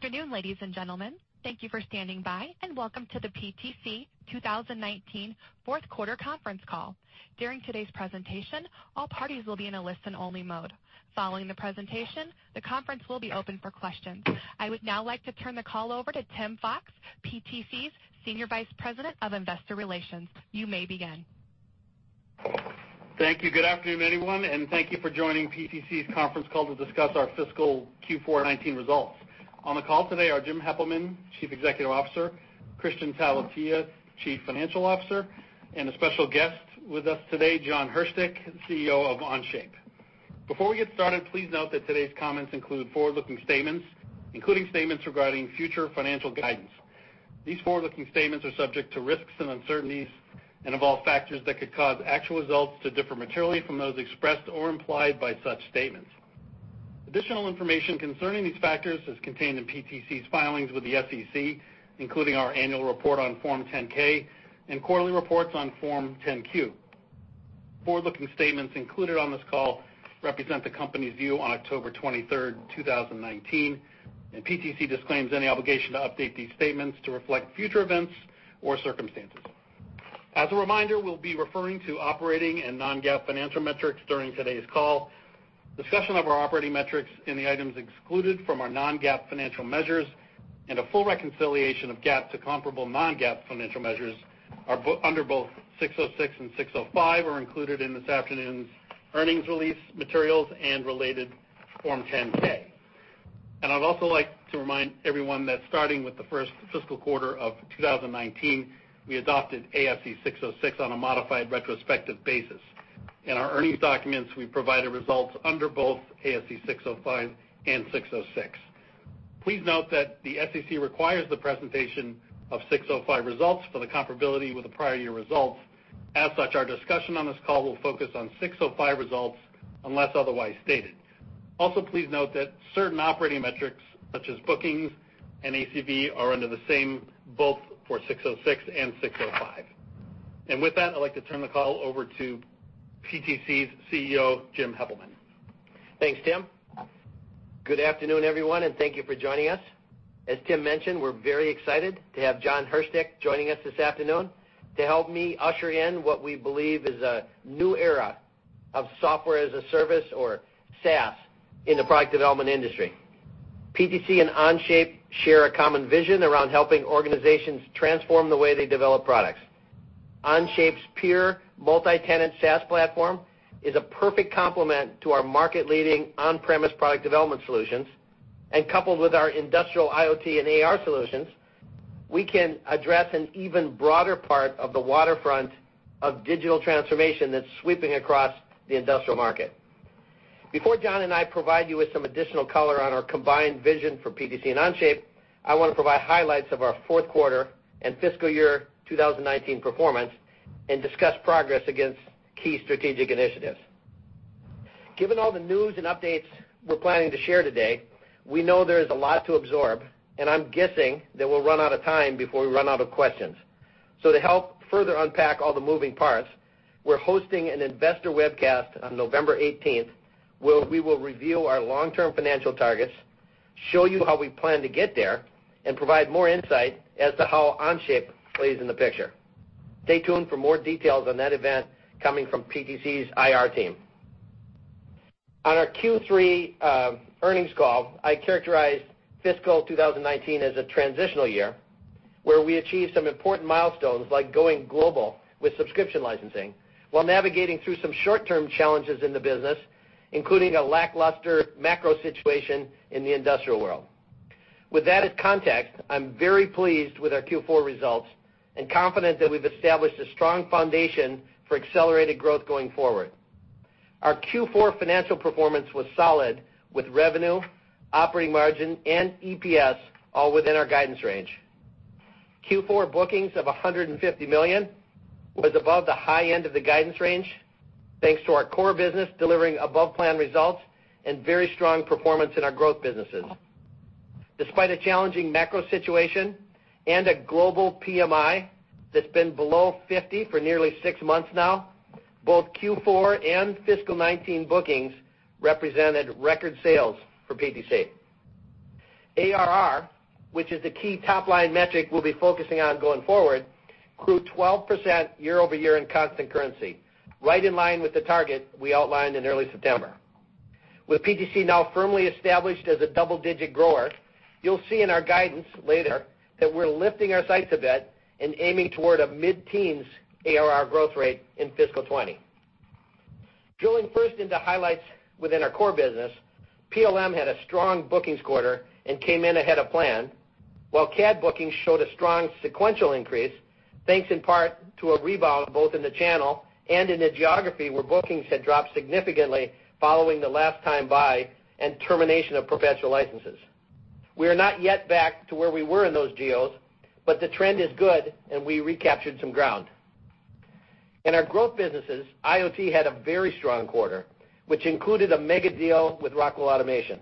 Good afternoon, ladies and gentlemen. Thank you for standing by, and welcome to the PTC 2019 fourth quarter conference call. During today's presentation, all parties will be in a listen-only mode. Following the presentation, the conference will be open for questions. I would now like to turn the call over to Tim Fox, PTC's Senior Vice President of Investor Relations. You may begin. Thank you. Good afternoon, everyone, and thank you for joining PTC's conference call to discuss our fiscal Q4 2019 results. On the call today are Jim Heppelmann, Chief Executive Officer, Kristian Talvitie, Chief Financial Officer, and a special guest with us today, Jon Hirschtick, CEO of Onshape. Before we get started, please note that today's comments include forward-looking statements, including statements regarding future financial guidance. These forward-looking statements are subject to risks and uncertainties and involve factors that could cause actual results to differ materially from those expressed or implied by such statements. Additional information concerning these factors is contained in PTC's filings with the SEC, including our annual report on Form 10-K and quarterly reports on Form 10-Q. Forward-looking statements included on this call represent the company's view on October 23, 2019, and PTC disclaims any obligation to update these statements to reflect future events or circumstances. As a reminder, we'll be referring to operating and non-GAAP financial metrics during today's call. Discussion of our operating metrics in the items excluded from our non-GAAP financial measures and a full reconciliation of GAAP to comparable non-GAAP financial measures are under both 606 and 605 are included in this afternoon's earnings release materials and related Form 10-K. I'd also like to remind everyone that starting with the first fiscal quarter of 2019, we adopted ASC 606 on a modified retrospective basis. In our earnings documents, we provided results under both ASC 605 and 606. Please note that the SEC requires the presentation of 605 results for the comparability with the prior year results. As such, our discussion on this call will focus on 605 results unless otherwise stated. Also, please note that certain operating metrics such as bookings and ACV are under the same both for 606 and 605. With that, I'd like to turn the call over to PTC's CEO, Jim Heppelmann. Thanks, Tim. Good afternoon, everyone, and thank you for joining us. As Tim mentioned, we're very excited to have Jon Hirschtick joining us this afternoon to help me usher in what we believe is a new era of software-as-a-service or SaaS in the product development industry. PTC and Onshape share a common vision around helping organizations transform the way they develop products. Onshape's pure multi-tenant SaaS platform is a perfect complement to our market-leading on-premise product development solutions. Coupled with our industrial IoT and AR solutions, we can address an even broader part of the waterfront of digital transformation that's sweeping across the industrial market. Before Jon and I provide you with some additional color on our combined vision for PTC and Onshape, I want to provide highlights of our fourth quarter and fiscal year 2019 performance and discuss progress against key strategic initiatives. Given all the news and updates we're planning to share today, we know there is a lot to absorb, I'm guessing that we'll run out of time before we run out of questions. To help further unpack all the moving parts, we're hosting an investor webcast on November 18th, where we will reveal our long-term financial targets, show you how we plan to get there, and provide more insight as to how Onshape plays in the picture. Stay tuned for more details on that event coming from PTC's IR team. On our Q3 earnings call, I characterized fiscal 2019 as a transitional year, where we achieved some important milestones, like going global with subscription licensing, while navigating through some short-term challenges in the business, including a lackluster macro situation in the industrial world. With that as context, I'm very pleased with our Q4 results and confident that we've established a strong foundation for accelerated growth going forward. Our Q4 financial performance was solid, with revenue, operating margin, and EPS all within our guidance range. Q4 bookings of $150 million was above the high end of the guidance range, thanks to our core business delivering above-plan results and very strong performance in our growth businesses. Despite a challenging macro situation and a global PMI that's been below 50 for nearly six months now, both Q4 and fiscal 2019 bookings represented record sales for PTC. ARR, which is the key top-line metric we'll be focusing on going forward, grew 12% year-over-year in constant currency, right in line with the target we outlined in early September. With PTC now firmly established as a double-digit grower, you'll see in our guidance later that we're lifting our sights a bit and aiming toward a mid-teens ARR growth rate in fiscal 2020. Drilling first into highlights within our core business, PLM had a strong bookings quarter and came in ahead of plan. CAD bookings showed a strong sequential increase, thanks in part to a rebound both in the channel and in the geography where bookings had dropped significantly following the last time buy and termination of professional licenses. We are not yet back to where we were in those geos, but the trend is good, and we recaptured some ground. In our growth businesses, IoT had a very strong quarter, which included a mega deal with Rockwell Automation.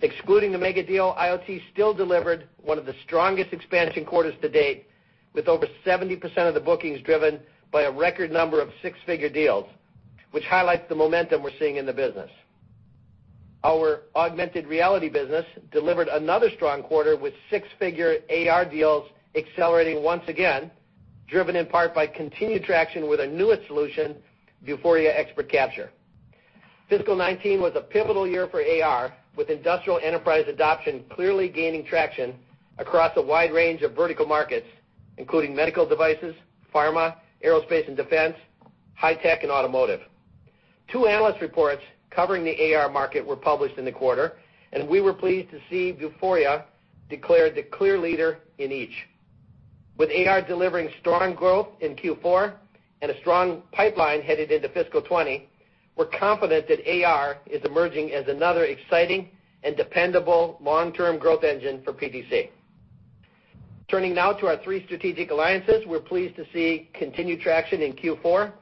Excluding the mega deal, IoT still delivered one of the strongest expansion quarters to date, with over 70% of the bookings driven by a record number of six-figure deals. Which highlights the momentum we're seeing in the business. Our augmented reality business delivered another strong quarter with six-figure AR deals accelerating once again, driven in part by continued traction with our newest solution, Vuforia Expert Capture. FY 2019 was a pivotal year for AR, with industrial enterprise adoption clearly gaining traction across a wide range of vertical markets, including medical devices, pharma, aerospace and defense, high tech, and automotive. Two analyst reports covering the AR market were published in the quarter, and we were pleased to see Vuforia declared the clear leader in each. With AR delivering strong growth in Q4 and a strong pipeline headed into fiscal 2020, we're confident that AR is emerging as another exciting and dependable long-term growth engine for PTC. Turning now to our three strategic alliances. We're pleased to see continued traction in Q4,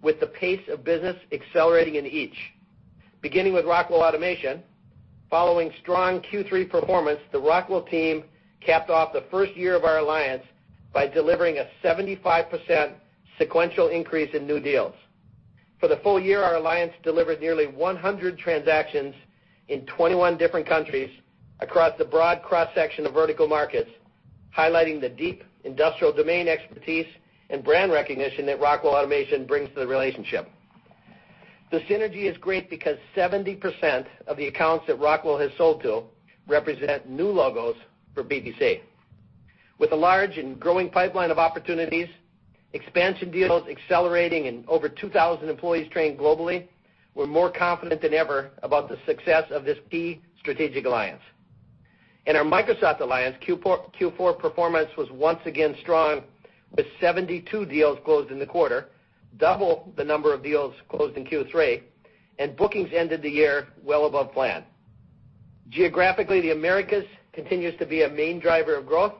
with the pace of business accelerating in each. Beginning with Rockwell Automation. Following strong Q3 performance, the Rockwell team capped off the first year of our alliance by delivering a 75% sequential increase in new deals. For the full year, our alliance delivered nearly 100 transactions in 21 different countries across a broad cross-section of vertical markets, highlighting the deep industrial domain expertise and brand recognition that Rockwell Automation brings to the relationship. The synergy is great because 70% of the accounts that Rockwell has sold to represent new logos for PTC. With a large and growing pipeline of opportunities, expansion deals accelerating, and over 2,000 employees trained globally, we're more confident than ever about the success of this key strategic alliance. In our Microsoft alliance, Q4 performance was once again strong, with 72 deals closed in the quarter, double the number of deals closed in Q3, and bookings ended the year well above plan. Geographically, the Americas continues to be a main driver of growth.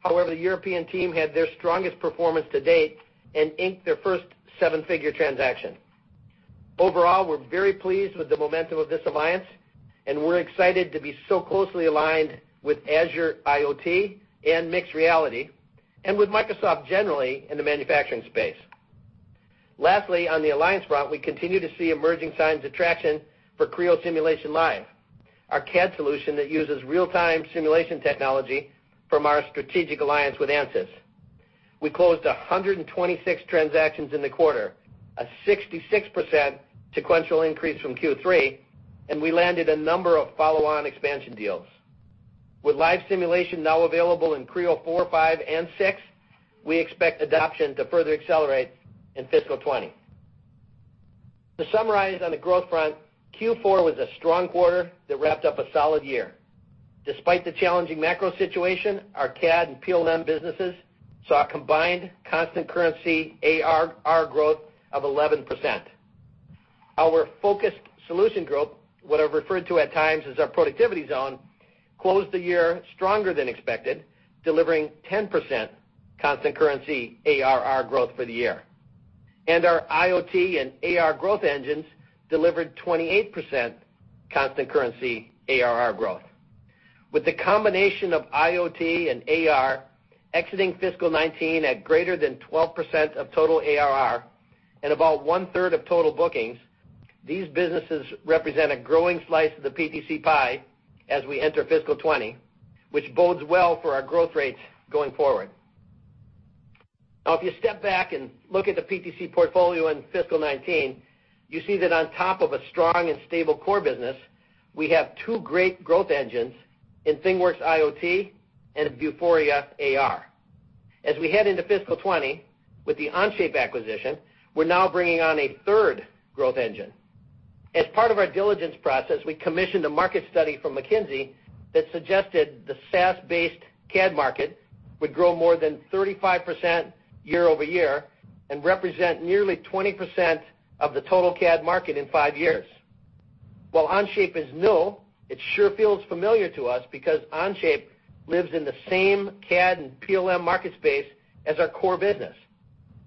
However, the European team had their strongest performance to date and inked their first seven-figure transaction. Overall, we're very pleased with the momentum of this alliance, and we're excited to be so closely aligned with Azure IoT and mixed reality and with Microsoft generally in the manufacturing space. Lastly, on the alliance front, we continue to see emerging signs of traction for Creo Simulation Live, our CAD solution that uses real-time simulation technology from our strategic alliance with Ansys. We closed 126 transactions in the quarter, a 66% sequential increase from Q3, and we landed a number of follow-on expansion deals. With live simulation now available in Creo 4, 5, and 6, we expect adoption to further accelerate in fiscal 2020. To summarize on the growth front, Q4 was a strong quarter that wrapped up a solid year. Despite the challenging macro situation, our CAD and PLM businesses saw a combined constant currency ARR growth of 11%. Our Focused Solutions Group, what I've referred to at times as our productivity zone, closed the year stronger than expected, delivering 10% constant currency ARR growth for the year. Our IoT and AR growth engines delivered 28% constant currency ARR growth. With the combination of IoT and AR exiting fiscal 2019 at greater than 12% of total ARR and about one-third of total bookings, these businesses represent a growing slice of the PTC pie as we enter fiscal 2020, which bodes well for our growth rates going forward. If you step back and look at the PTC portfolio in fiscal 2019, you see that on top of a strong and stable core business, we have two great growth engines in ThingWorx IoT and Vuforia AR. As we head into fiscal 2020 with the Onshape acquisition, we're now bringing on a third growth engine. As part of our diligence process, we commissioned a market study from McKinsey that suggested the SaaS-based CAD market would grow more than 35% year-over-year and represent nearly 20% of the total CAD market in five years. While Onshape is new, it sure feels familiar to us because Onshape lives in the same CAD and PLM market space as our core business.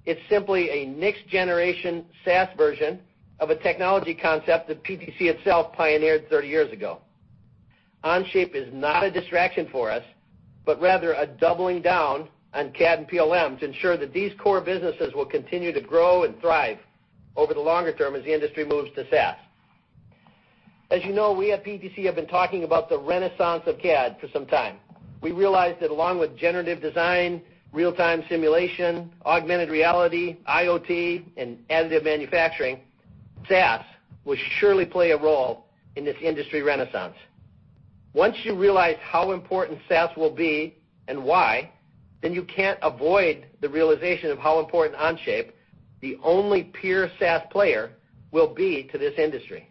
It's simply a next-generation SaaS version of a technology concept that PTC itself pioneered 30 years ago. Onshape is not a distraction for us, but rather a doubling down on CAD and PLM to ensure that these core businesses will continue to grow and thrive over the longer term as the industry moves to SaaS. As you know, we at PTC have been talking about the renaissance of CAD for some time. We realized that along with generative design, real-time simulation, augmented reality, IoT, and additive manufacturing, SaaS will surely play a role in this industry renaissance. Once you realize how important SaaS will be and why, then you can't avoid the realization of how important Onshape, the only pure SaaS player, will be to this industry.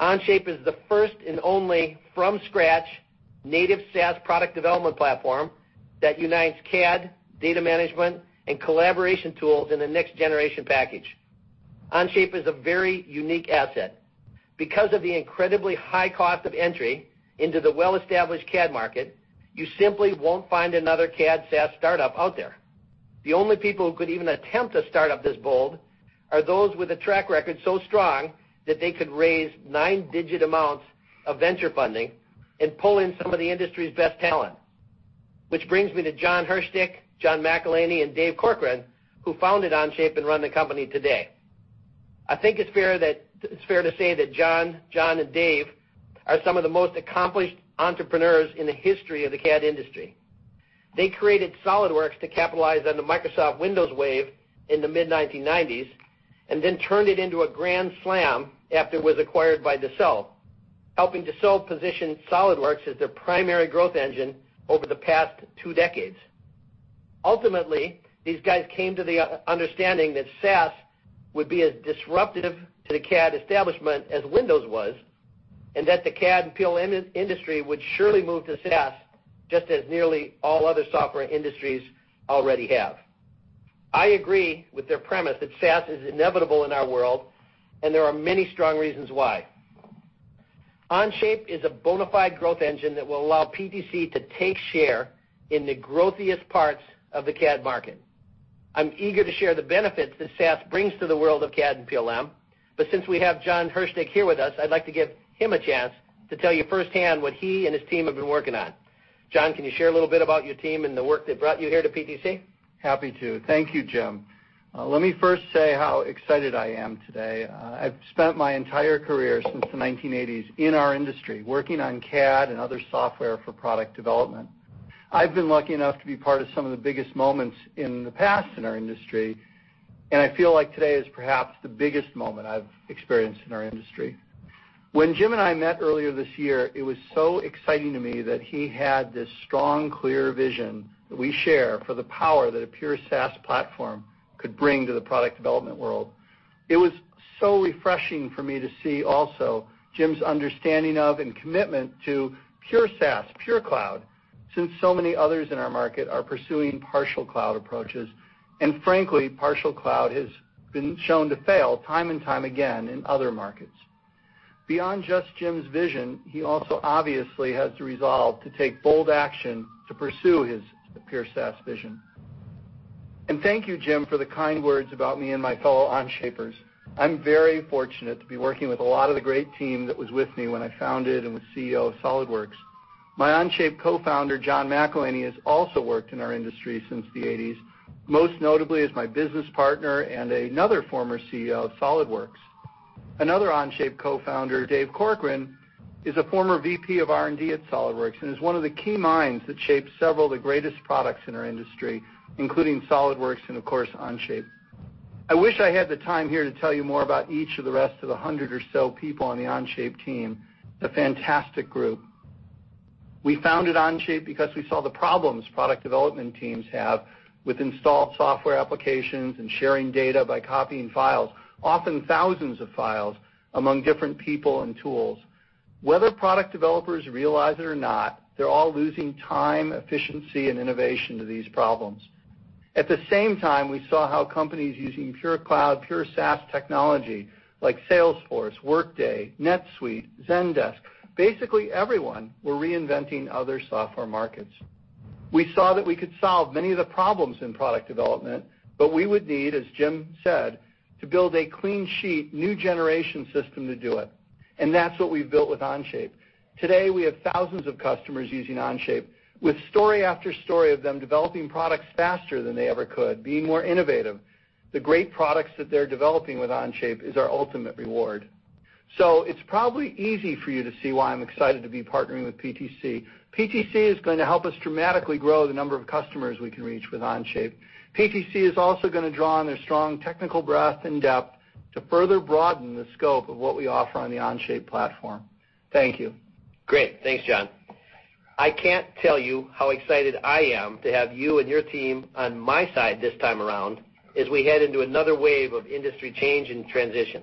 Onshape is the first and only from-scratch native SaaS product development platform that unites CAD, data management, and collaboration tools in a next-generation package. Onshape is a very unique asset. Because of the incredibly high cost of entry into the well-established CAD market, you simply won't find another CAD SaaS startup out there. The only people who could even attempt a startup this bold are those with a track record so strong that they could raise 9-digit amounts of venture funding and pull in some of the industry's best talent. Which brings me to Jon Hirschtick, John McEleney, and Dave Corcoran, who founded Onshape and run the company today. I think it's fair to say that Jon, John, and Dave are some of the most accomplished entrepreneurs in the history of the CAD industry. They created SolidWorks to capitalize on the Microsoft Windows wave in the mid-1990s, and then turned it into a grand slam after it was acquired by Dassault, helping Dassault position SolidWorks as their primary growth engine over the past two decades. Ultimately, these guys came to the understanding that SaaS would be as disruptive to the CAD establishment as Windows was, and that the CAD and PLM industry would surely move to SaaS, just as nearly all other software industries already have. I agree with their premise that SaaS is inevitable in our world, and there are many strong reasons why. Onshape is a bona fide growth engine that will allow PTC to take share in the growthiest parts of the CAD market. I'm eager to share the benefits that SaaS brings to the world of CAD and PLM. Since we have Jon Hirschtick here with us, I'd like to give him a chance to tell you firsthand what he and his team have been working on. Jon, can you share a little bit about your team and the work that brought you here to PTC? Happy to. Thank you, Jim. Let me first say how excited I am today. I've spent my entire career since the 1980s in our industry, working on CAD and other software for product development. I've been lucky enough to be part of some of the biggest moments in the past in our industry, and I feel like today is perhaps the biggest moment I've experienced in our industry. When Jim and I met earlier this year, it was so exciting to me that he had this strong, clear vision that we share for the power that a pure SaaS platform could bring to the product development world. It was so refreshing for me to see also Jim's understanding of and commitment to pure SaaS, pure cloud, since so many others in our market are pursuing partial cloud approaches. Frankly, partial cloud has been shown to fail time and time again in other markets. Beyond just Jim's vision, he also obviously has the resolve to take bold action to pursue his pure SaaS vision. Thank you, Jim, for the kind words about me and my fellow Onshapers. I'm very fortunate to be working with a lot of the great team that was with me when I founded and was CEO of SolidWorks. My Onshape co-founder, John McEleney, has also worked in our industry since the '80s, most notably as my business partner and another former CEO of SolidWorks. Another Onshape co-founder, Dave Corcoran, is a former VP of R&D at SolidWorks and is one of the key minds that shaped several of the greatest products in our industry, including SolidWorks and, of course, Onshape. I wish I had the time here to tell you more about each of the rest of the 100 or so people on the Onshape team, a fantastic group. We founded Onshape because we saw the problems product development teams have with installed software applications and sharing data by copying files, often thousands of files, among different people and tools. Whether product developers realize it or not, they're all losing time, efficiency, and innovation to these problems. At the same time, we saw how companies using pure cloud, pure SaaS technology, like Salesforce, Workday, NetSuite, Zendesk, basically everyone were reinventing other software markets. We saw that we could solve many of the problems in product development, but we would need, as Jim said, to build a clean-sheet, new-generation system to do it, and that's what we've built with Onshape. Today, we have thousands of customers using Onshape, with story after story of them developing products faster than they ever could, being more innovative. The great products that they're developing with Onshape is our ultimate reward. It's probably easy for you to see why I'm excited to be partnering with PTC. PTC is going to help us dramatically grow the number of customers we can reach with Onshape. PTC is also going to draw on their strong technical breadth and depth to further broaden the scope of what we offer on the Onshape platform. Thank you. Great. Thanks, Jon. I can't tell you how excited I am to have you and your team on my side this time around, as we head into another wave of industry change and transition.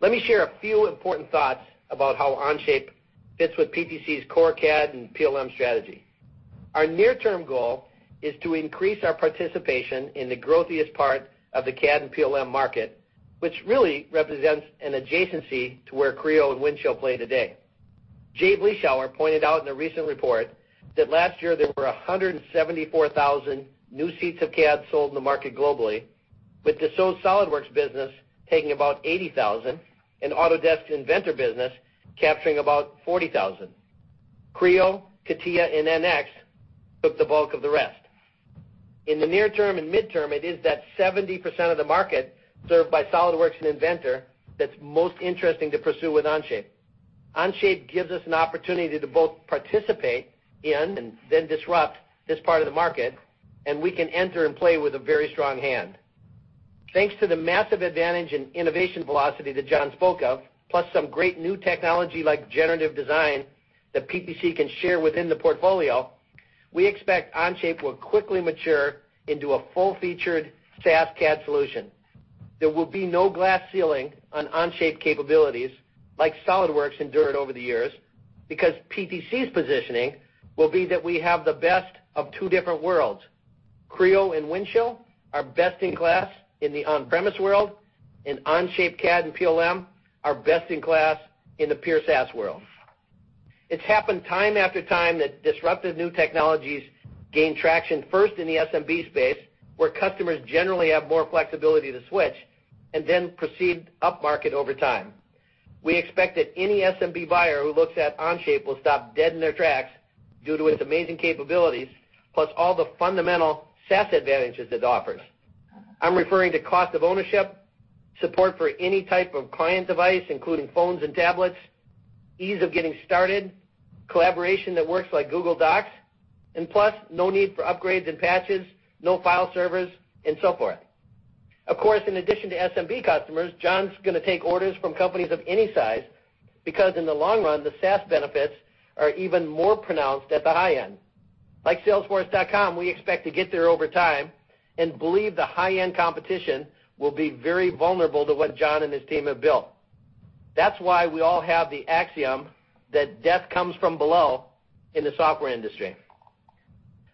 Let me share a few important thoughts about how Onshape fits with PTC's core CAD and PLM strategy. Our near-term goal is to increase our participation in the growthiest part of the CAD and PLM market, which really represents an adjacency to where Creo and Windchill play today. Jay Vleeschouwer pointed out in a recent report that last year there were 174,000 new seats of CAD sold in the market globally, with Dassault SOLIDWORKS business taking about 80,000 and Autodesk Inventor business capturing about 40,000. Creo, CATIA, and NX took the bulk of the rest. In the near term and midterm, it is that 70% of the market served by SolidWorks and Inventor that's most interesting to pursue with Onshape. Onshape gives us an opportunity to both participate in and then disrupt this part of the market, and we can enter and play with a very strong hand. Thanks to the massive advantage in innovation velocity that Jon spoke of, plus some great new technology like generative design that PTC can share within the portfolio, we expect Onshape will quickly mature into a full-featured SaaS CAD solution. There will be no glass ceiling on Onshape capabilities like SolidWorks endured over the years because PTC's positioning will be that we have the best of two different worlds. Creo and Windchill are best in class in the on-premise world, and Onshape CAD and PLM are best in class in the pure SaaS world. It's happened time after time that disruptive new technologies gain traction first in the SMB space, where customers generally have more flexibility to switch, and then proceed upmarket over time. We expect that any SMB buyer who looks at Onshape will stop dead in their tracks due to its amazing capabilities, plus all the fundamental SaaS advantages it offers. I'm referring to cost of ownership, support for any type of client device, including phones and tablets, ease of getting started, collaboration that works like Google Docs, and plus, no need for upgrades and patches, no file servers, and so forth. Of course, in addition to SMB customers, Jon's going to take orders from companies of any size, because in the long run, the SaaS benefits are even more pronounced at the high end. Like salesforce.com, we expect to get there over time, and believe the high-end competition will be very vulnerable to what Jon and his team have built. That's why we all have the axiom that death comes from below in the software industry.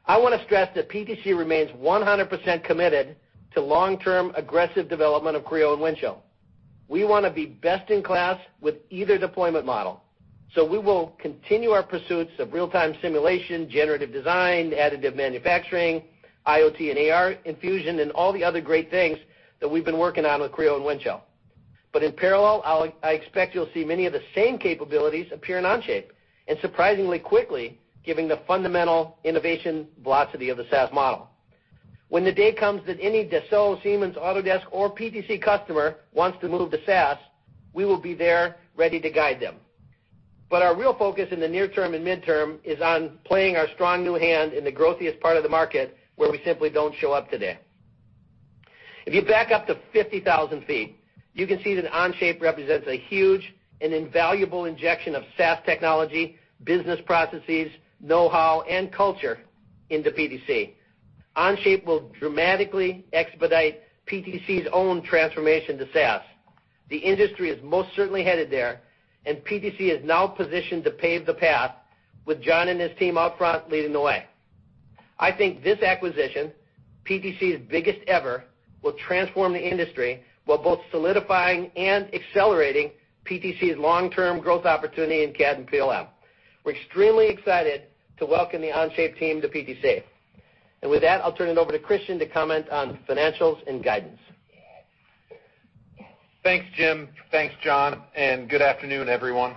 I want to stress that PTC remains 100% committed to long-term aggressive development of Creo and Windchill. We want to be best in class with either deployment model. We will continue our pursuits of real-time simulation, generative design, additive manufacturing, IoT and AR infusion, and all the other great things that we've been working on with Creo and Windchill. In parallel, I expect you'll see many of the same capabilities appear in Onshape, and surprisingly quickly, given the fundamental innovation velocity of the SaaS model. When the day comes that any Dassault, Siemens, Autodesk, or PTC customer wants to move to SaaS, we will be there, ready to guide them. Our real focus in the near term and midterm is on playing our strong new hand in the growthiest part of the market, where we simply don't show up today. If you back up to 50,000 feet, you can see that Onshape represents a huge and invaluable injection of SaaS technology, business processes, know-how, and culture into PTC. Onshape will dramatically expedite PTC's own transformation to SaaS. The industry is most certainly headed there, and PTC is now positioned to pave the path with Jon and his team out front leading the way. I think this acquisition, PTC's biggest ever, will transform the industry while both solidifying and accelerating PTC's long-term growth opportunity in CAD and PLM. We're extremely excited to welcome the Onshape team to PTC. With that, I'll turn it over to Kristian to comment on financials and guidance. Thanks, Jim. Thanks, Jon. Good afternoon, everyone.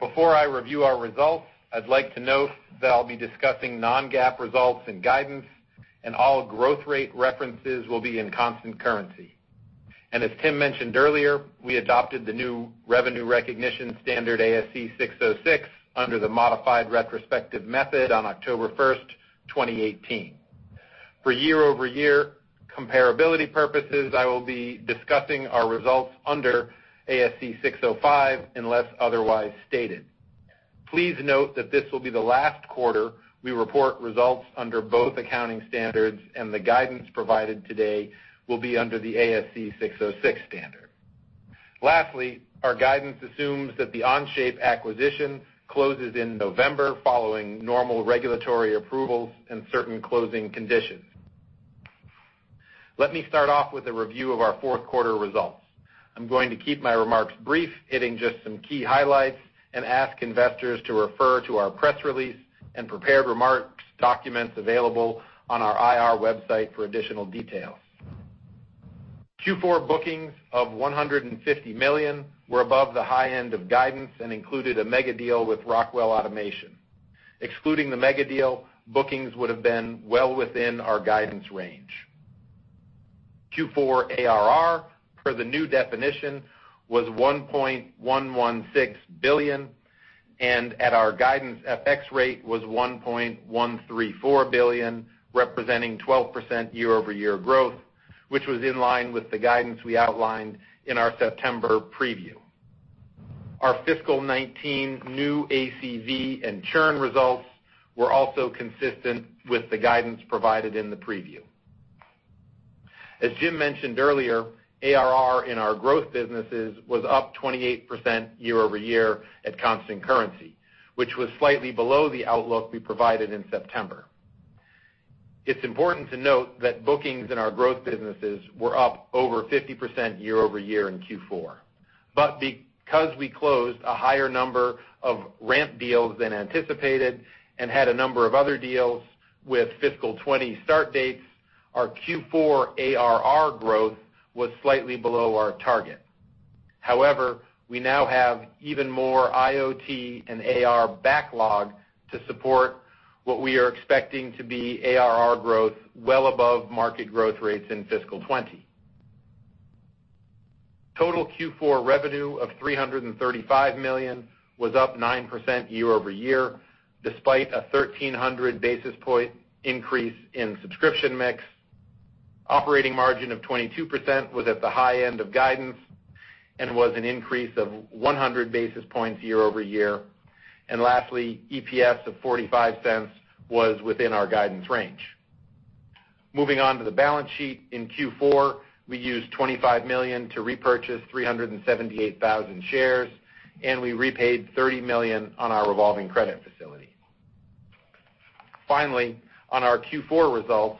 Before I review our results, I'd like to note that I'll be discussing non-GAAP results and guidance, all growth rate references will be in constant currency. As Tim mentioned earlier, we adopted the new revenue recognition standard ASC 606 under the modified retrospective method on October 1st, 2018. For year-over-year comparability purposes, I will be discussing our results under ASC 605, unless otherwise stated. Please note that this will be the last quarter we report results under both accounting standards. The guidance provided today will be under the ASC 606 standard. Our guidance assumes that the Onshape acquisition closes in November following normal regulatory approvals and certain closing conditions. Let me start off with a review of our fourth quarter results. I'm going to keep my remarks brief, hitting just some key highlights, and ask investors to refer to our press release and prepared remarks documents available on our IR website for additional details. Q4 bookings of $150 million were above the high end of guidance and included a megadeal with Rockwell Automation. Excluding the megadeal, bookings would have been well within our guidance range. Q4 ARR per the new definition was $1.116 billion, and at our guidance FX rate was $1.134 billion, representing 12% year-over-year growth, which was in line with the guidance we outlined in our September preview. Our fiscal 2019 new ACV and churn results were also consistent with the guidance provided in the preview. As Jim mentioned earlier, ARR in our growth businesses was up 28% year-over-year at constant currency, which was slightly below the outlook we provided in September. It's important to note that bookings in our growth businesses were up over 50% year-over-year in Q4. Because we closed a higher number of ramp deals than anticipated and had a number of other deals with fiscal '20 start dates, our Q4 ARR growth was slightly below our target. However, we now have even more IoT and AR backlog to support what we are expecting to be ARR growth well above market growth rates in fiscal '20. Total Q4 revenue of $335 million was up 9% year-over-year, despite a 1,300 basis point increase in subscription mix. Operating margin of 22% was at the high end of guidance and was an increase of 100 basis points year-over-year. Lastly, EPS of $0.45 was within our guidance range. Moving on to the balance sheet, in Q4, we used $25 million to repurchase 378,000 shares, and we repaid $30 million on our revolving credit facility. Finally, on our Q4 results,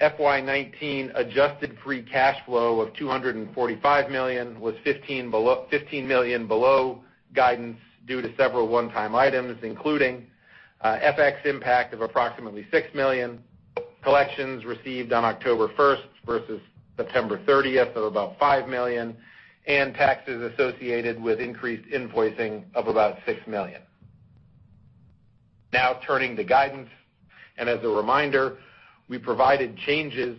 FY 2019 adjusted free cash flow of $245 million was $15 million below guidance due to several one-time items, including FX impact of approximately $6 million, collections received on October 1st versus September 30th of about $5 million, and taxes associated with increased invoicing of about $6 million. Now turning to guidance, and as a reminder, we provided changes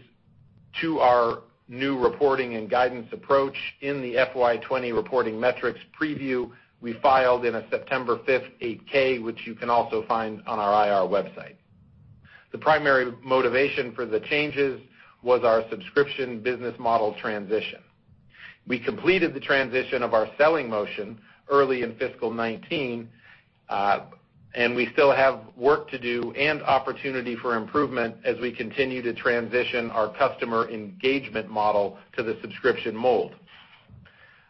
to our new reporting and guidance approach in the FY 2020 reporting metrics preview we filed in a September 5th 8-K, which you can also find on our IR website. The primary motivation for the changes was our subscription business model transition. We completed the transition of our selling motion early in fiscal 2019, and we still have work to do and opportunity for improvement as we continue to transition our customer engagement model to the subscription mold.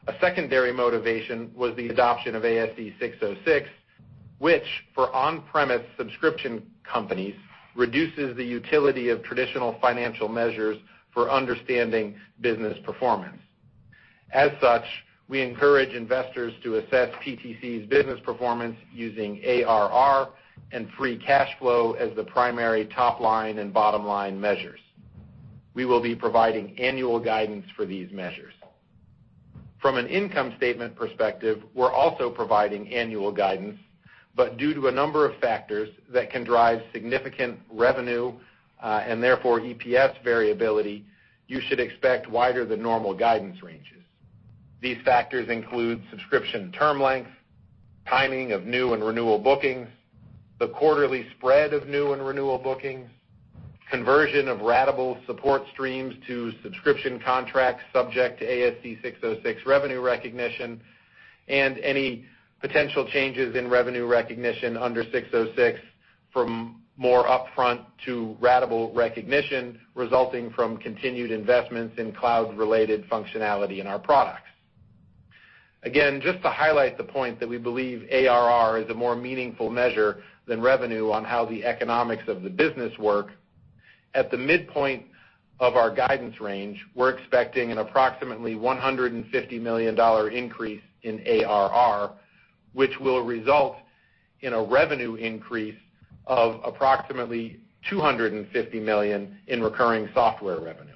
A secondary motivation was the adoption of ASC 606, which for on-premise subscription companies, reduces the utility of traditional financial measures for understanding business performance. As such, we encourage investors to assess PTC's business performance using ARR and free cash flow as the primary top-line and bottom-line measures. We will be providing annual guidance for these measures. From an income statement perspective, we're also providing annual guidance, but due to a number of factors that can drive significant revenue, and therefore EPS variability, you should expect wider than normal guidance ranges. These factors include subscription term length, timing of new and renewal bookings, the quarterly spread of new and renewal bookings, conversion of ratable support streams to subscription contracts subject to ASC 606 revenue recognition, and any potential changes in revenue recognition under 606 from more upfront to ratable recognition resulting from continued investments in cloud-related functionality in our products. Again, just to highlight the point that we believe ARR is a more meaningful measure than revenue on how the economics of the business work, at the midpoint of our guidance range, we're expecting an approximately $150 million increase in ARR, which will result in a revenue increase of approximately $250 million in recurring software revenue.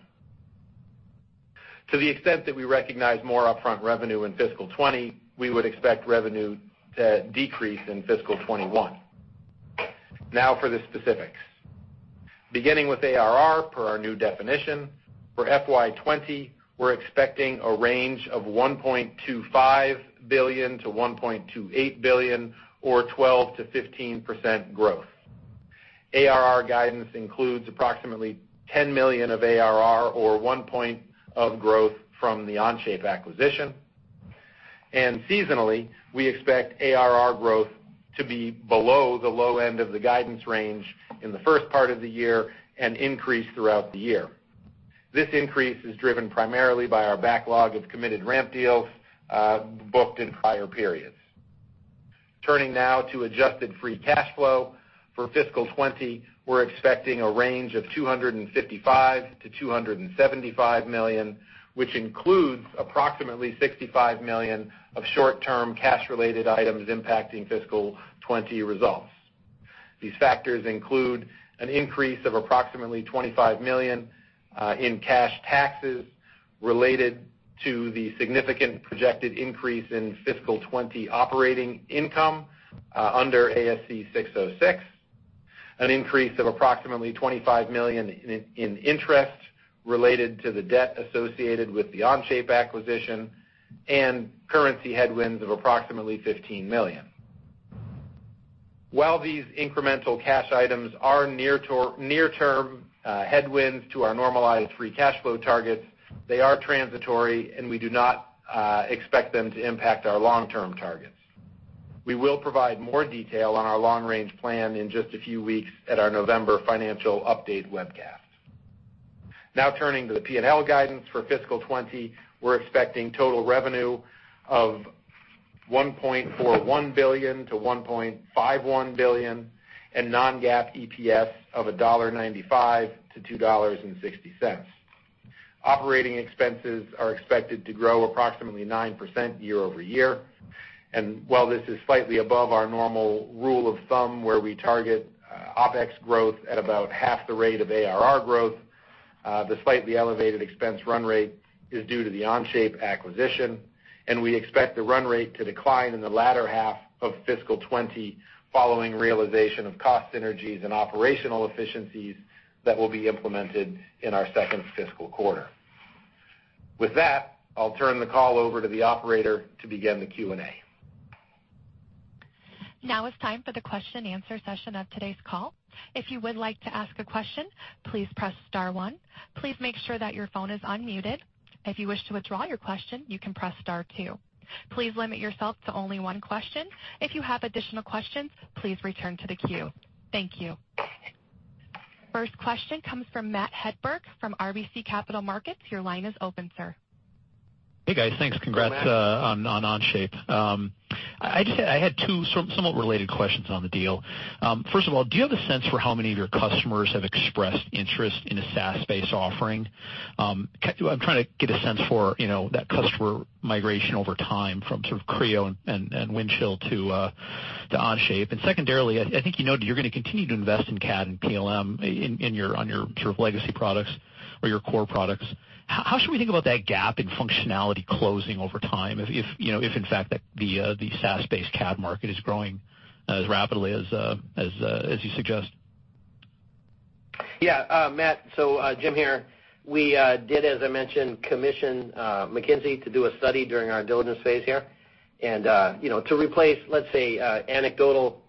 To the extent that we recognize more upfront revenue in fiscal 2020, we would expect revenue to decrease in fiscal 2021. Now for the specifics. Beginning with ARR per our new definition, for FY 2020, we're expecting a range of $1.25 billion-$1.28 billion, or 12%-15% growth. ARR guidance includes approximately $10 million of ARR or one point of growth from the Onshape acquisition. Seasonally, we expect ARR growth to be below the low end of the guidance range in the first part of the year and increase throughout the year. This increase is driven primarily by our backlog of committed ramp deals, booked in prior periods. Turning now to adjusted free cash flow. For fiscal 2020, we're expecting a range of $255 million-$275 million, which includes approximately $65 million of short-term cash-related items impacting fiscal 2020 results. These factors include an increase of approximately $25 million in cash taxes related to the significant projected increase in fiscal 2020 operating income under ASC 606, an increase of approximately $25 million in interest related to the debt associated with the Onshape acquisition, and currency headwinds of approximately $15 million. While these incremental cash items are near-term headwinds to our normalized free cash flow targets, they are transitory, and we do not expect them to impact our long-term targets. We will provide more detail on our long-range plan in just a few weeks at our November financial update webcast. Turning to the P&L guidance for fiscal 2020, we're expecting total revenue of $1.41 billion-$1.51 billion and non-GAAP EPS of $1.95-$2.60. Operating expenses are expected to grow approximately 9% year-over-year. While this is slightly above our normal rule of thumb where we target OpEx growth at about half the rate of ARR growth, the slightly elevated expense run rate is due to the Onshape acquisition, and we expect the run rate to decline in the latter half of fiscal 2020 following realization of cost synergies and operational efficiencies that will be implemented in our second fiscal quarter. With that, I'll turn the call over to the operator to begin the Q&A. Now it's time for the question answer session of today's call. If you would like to ask a question, please press star 1. Please make sure that your phone is unmuted. If you wish to withdraw your question, you can press star 2. Please limit yourself to only one question. If you have additional questions, please return to the queue. Thank you. First question comes from Matt Hedberg from RBC Capital Markets. Your line is open, sir. Hey, guys. Thanks. Thanks, Matt. Congrats on Onshape. I had two somewhat related questions on the deal. First of all, do you have a sense for how many of your customers have expressed interest in a SaaS-based offering? I'm trying to get a sense for that customer migration over time from Creo and Windchill to Onshape. Secondarily, I think you noted you're going to continue to invest in CAD and PLM on your legacy products or your core products. How should we think about that gap in functionality closing over time if, in fact, the SaaS-based CAD market is growing as rapidly as you suggest? Yeah, Matt. Jim here. We did, as I mentioned, commission McKinsey to do a study during our diligence phase here to replace, let's say, anecdotal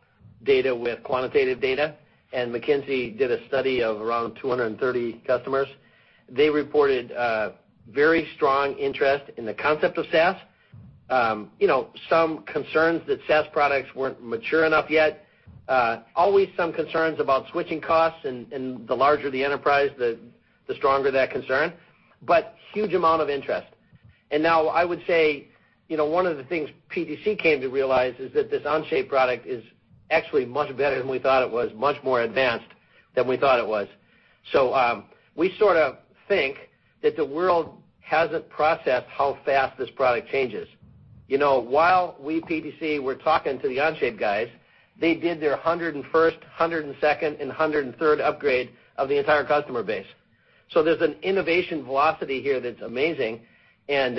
data with quantitative data. McKinsey did a study of around 230 customers. They reported a very strong interest in the concept of SaaS. Some concerns that SaaS products weren't mature enough yet. Always some concerns about switching costs, and the larger the enterprise, the stronger that concern. Huge amount of interest. Now I would say, one of the things PTC came to realize is that this Onshape product is actually much better than we thought it was, much more advanced than we thought it was. We sort of think that the world hasn't processed how fast this product changes. While we, PTC, were talking to the Onshape guys, they did their 101st, 102nd, and 103rd upgrade of the entire customer base. There's an innovation velocity here that's amazing, and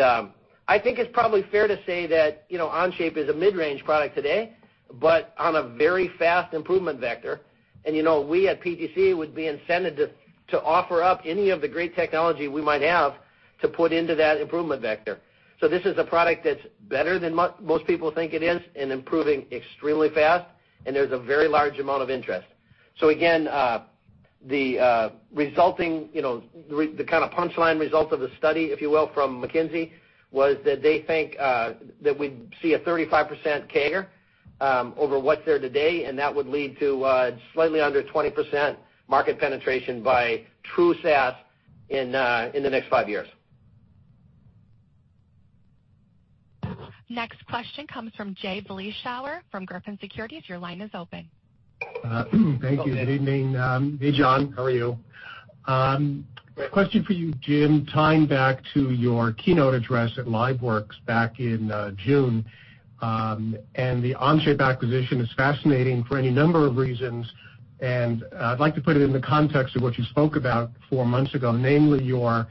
I think it's probably fair to say that Onshape is a mid-range product today, but on a very fast improvement vector. We at PTC would be incented to offer up any of the great technology we might have to put into that improvement vector. This is a product that's better than most people think it is and improving extremely fast, and there's a very large amount of interest. Again, the kind of punchline result of the study, if you will, from McKinsey was that they think that we'd see a 35% CAGR over what's there today, and that would lead to slightly under 20% market penetration by true SaaS in the next five years. Next question comes from Jay Vleeschouwer from Griffin Securities. Your line is open. Thank you. Good evening. Hey, Jon. How are you? Question for you, Jim, tying back to your keynote address at LiveWorx back in June. The Onshape acquisition is fascinating for any number of reasons, and I'd like to put it in the context of what you spoke about four months ago, namely your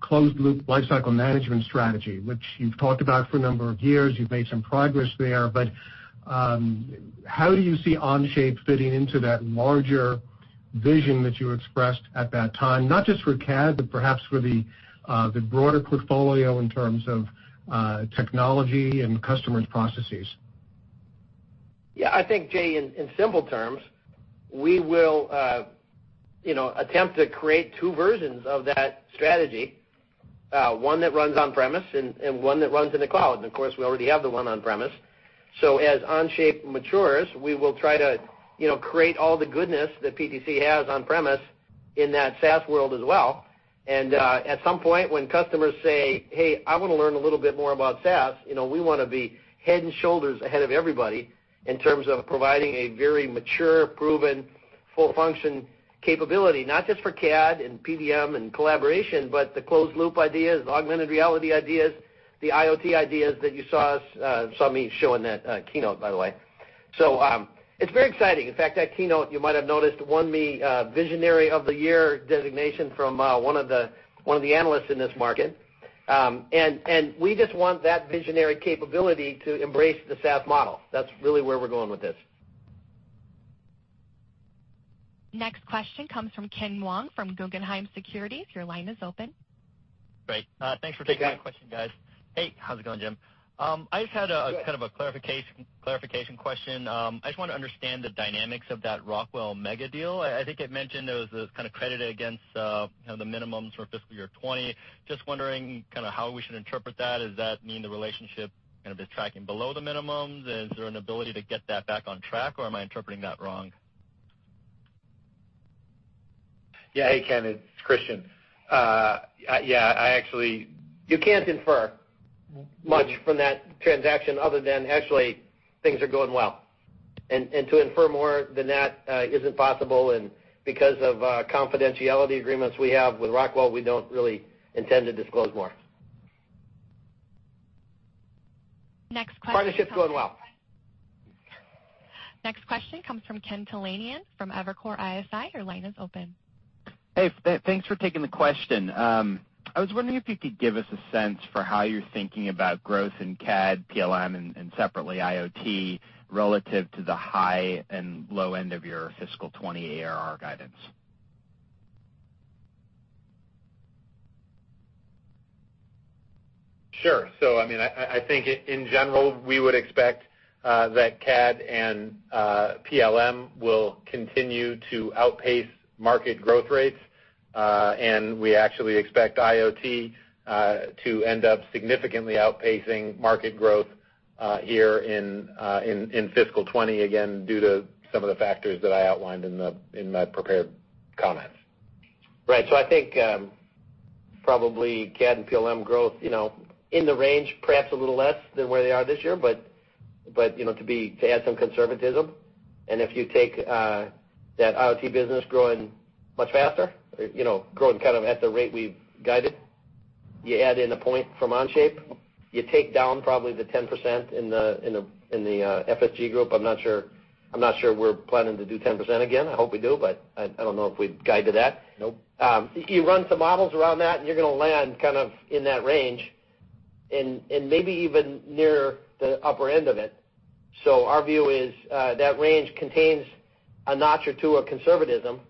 closed-loop lifecycle management strategy, which you've talked about for a number of years. You've made some progress there. How do you see Onshape fitting into that larger vision that you expressed at that time, not just for CAD, but perhaps for the broader portfolio in terms of technology and customers' processes? Yeah. I think, Jay, in simple terms, we will attempt to create two versions of that strategy. One that runs on-premise and one that runs in the cloud. Of course, we already have the one on-premise. As Onshape matures, we will try to create all the goodness that PTC has on-premise in that SaaS world as well. At some point when customers say, "Hey, I want to learn a little bit more about SaaS," we want to be head and shoulders ahead of everybody in terms of providing a very mature, proven, full-function capability, not just for CAD and PDM and collaboration, but the closed-loop ideas, the augmented reality ideas, the IoT ideas that you saw me show in that keynote, by the way. It's very exciting. In fact, that keynote, you might have noticed, won me visionary of the year designation from one of the analysts in this market. We just want that visionary capability to embrace the SaaS model. That's really where we're going with this. Next question comes from Ken Wong from Guggenheim Securities. Your line is open. Great. Thanks for taking my question, guys. Hey, Ken. Hey, how's it going, Jim? Good. I just had a kind of a clarification question. I just want to understand the dynamics of that Rockwell megadeal. I think it mentioned there was this kind of credit against the minimums for fiscal year 2020. Just wondering how we should interpret that. Does that mean the relationship kind of is tracking below the minimums? Is there an ability to get that back on track, or am I interpreting that wrong? Yeah. Hey, Ken, it's Kristian. You can't infer much from that transaction other than actually things are going well, and to infer more than that isn't possible, and because of confidentiality agreements we have with Rockwell, we don't really intend to disclose more. Next question. Partnership's going well. Next question comes from Ken Talanian from Evercore ISI. Your line is open. Hey. Thanks for taking the question. I was wondering if you could give us a sense for how you're thinking about growth in CAD, PLM, and separately, IoT, relative to the high and low end of your fiscal 2020 ARR guidance. Sure. I think in general, we would expect that CAD and PLM will continue to outpace market growth rates. We actually expect IoT to end up significantly outpacing market growth here in fiscal 2020, again, due to some of the factors that I outlined in my prepared comments. Right. I think-Probably CAD and PLM growth, in the range, perhaps a little less than where they are this year, but to add some conservatism. If you take that IoT business growing much faster, growing at the rate we've guided, you add in a point from Onshape, you take down probably the 10% in the FSG group. I'm not sure we're planning to do 10% again. I hope we do, but I don't know if we'd guide to that. Nope. You run some models around that, and you're going to land in that range, and maybe even near the upper end of it. Our view is that range contains a notch or two of conservatism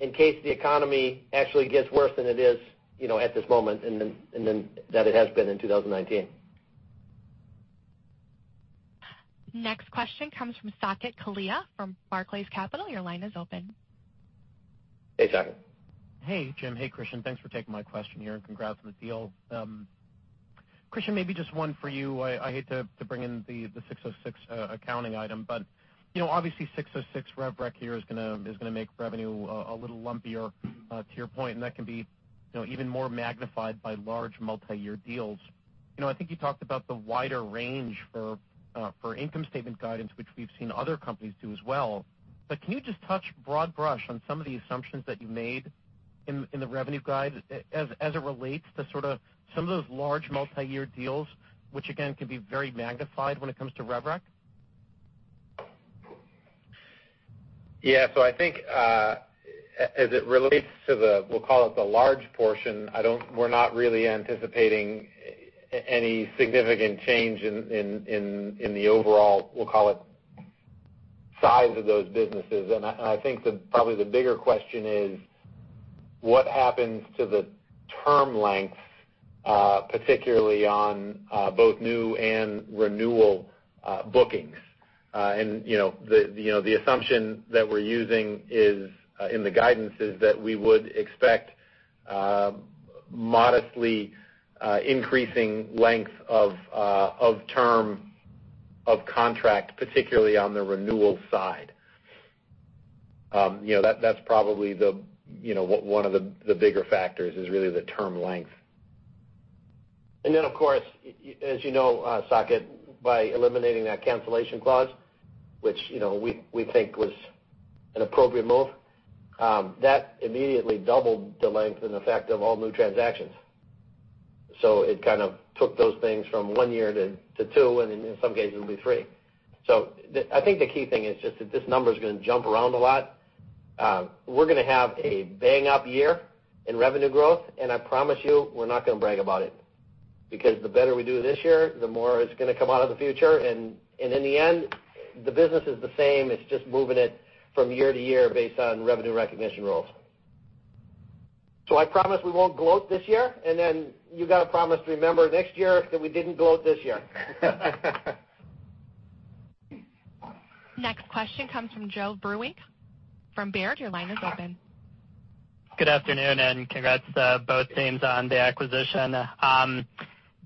in case the economy actually gets worse than it is at this moment and than it has been in 2019. Next question comes from Saket Kalia from Barclays Capital. Your line is open. Hey, Saket. Hey, Jim. Hey, Kristian. Thanks for taking my question here. Congrats on the deal. Kristian, maybe just one for you. I hate to bring in the ASC 606 accounting item, but obviously, ASC 606 RevRec here is going to make revenue a little lumpier to your point, and that can be even more magnified by large multi-year deals. I think you talked about the wider range for income statement guidance, which we've seen other companies do as well. Can you just touch broad brush on some of the assumptions that you made in the revenue guide as it relates to some of those large multi-year deals, which again, can be very magnified when it comes to RevRec? Yeah. I think as it relates to the, we'll call it the large portion, we're not really anticipating any significant change in the overall, we'll call it, size of those businesses. I think probably the bigger question is what happens to the term lengths, particularly on both new and renewal bookings. The assumption that we're using in the guidance is that we would expect modestly increasing length of term of contract, particularly on the renewal side. That's probably one of the bigger factors, is really the term length. Of course, as you know, Saket, by eliminating that cancellation clause, which we think was an appropriate move, that immediately doubled the length and effect of all new transactions. It took those things from one year to two, and in some cases, it'll be three. I think the key thing is just that this number's going to jump around a lot. We're going to have a bang-up year in revenue growth, and I promise you, we're not going to brag about it. The better we do this year, the more it's going to come out of the future. In the end, the business is the same. It's just moving it from year to year based on revenue recognition rules. I promise we won't gloat this year, and then you got to promise to remember next year that we didn't gloat this year. Next question comes from Joe Vruwink from Baird. Your line is open. Good afternoon. Congrats to both teams on the acquisition.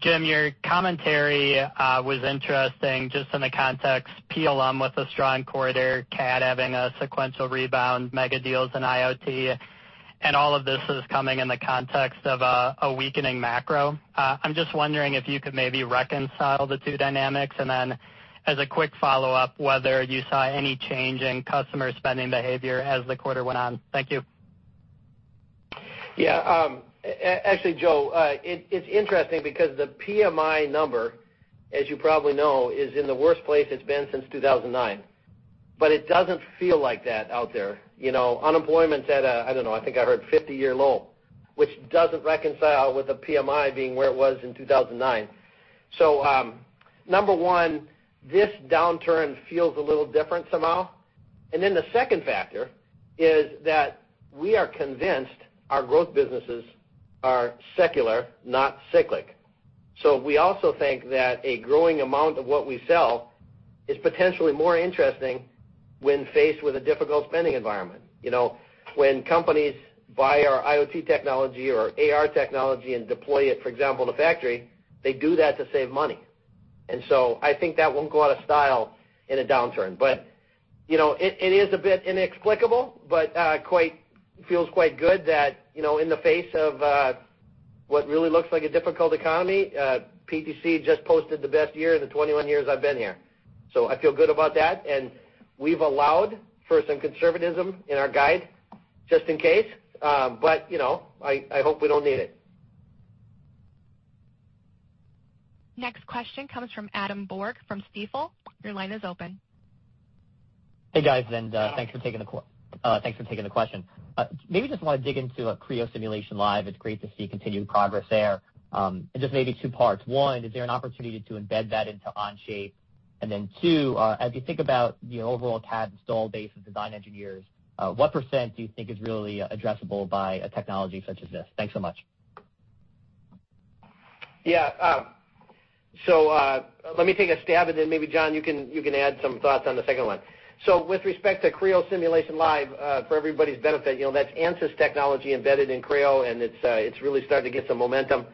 Jim, your commentary was interesting just in the context PLM with a strong quarter, CAD having a sequential rebound, mega deals in IoT, and all of this is coming in the context of a weakening macro. I'm just wondering if you could maybe reconcile the two dynamics, and then as a quick follow-up, whether you saw any change in customer spending behavior as the quarter went on. Thank you. Yeah. Actually, Joe, it's interesting because the PMI number, as you probably know, is in the worst place it's been since 2009. It doesn't feel like that out there. Unemployment's at a, I don't know, I think I heard 50-year low, which doesn't reconcile with the PMI being where it was in 2009. Number one, this downturn feels a little different somehow. The second factor is that we are convinced our growth businesses are secular, not cyclic. We also think that a growing amount of what we sell is potentially more interesting when faced with a difficult spending environment. When companies buy our IoT technology or our AR technology and deploy it, for example, in a factory, they do that to save money. I think that won't go out of style in a downturn. It is a bit inexplicable, but feels quite good that in the face of what really looks like a difficult economy, PTC just posted the best year in the 21 years I've been here. I feel good about that, and we've allowed for some conservatism in our guide just in case. I hope we don't need it. Next question comes from Adam Borg from Stifel. Your line is open. Hey, guys, thanks for taking the question. Maybe just want to dig into Creo Simulation Live. It's great to see continued progress there. Just maybe two parts. One, is there an opportunity to embed that into Onshape? Two, as you think about the overall CAD install base of design engineers, what % do you think is really addressable by a technology such as this? Thanks so much. Yeah. Let me take a stab at that and maybe, Jon, you can add some thoughts on the second one. With respect to Creo Simulation Live, for everybody's benefit, that's Ansys technology embedded in Creo, and it's really starting to get some momentum.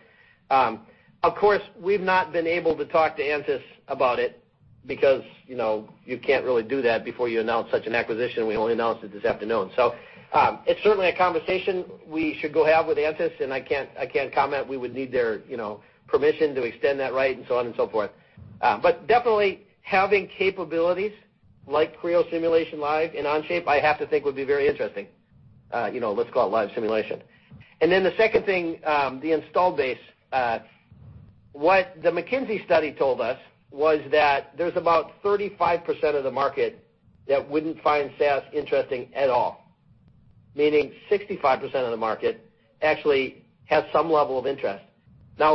Of course, we've not been able to talk to Ansys about it because you can't really do that before you announce such an acquisition. We only announced it this afternoon. It's certainly a conversation we should go have with Ansys, and I can't comment. We would need their permission to extend that right and so on and so forth. Definitely having capabilities like Creo Simulation Live in Onshape, I have to think would be very interesting. Let's call it live simulation. The second thing, the install base. What the McKinsey study told us was that there's about 35% of the market that wouldn't find SaaS interesting at all, meaning 65% of the market actually has some level of interest.